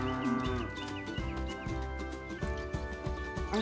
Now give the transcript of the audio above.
あ！